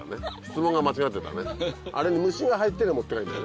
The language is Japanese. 質問が間違ってたね。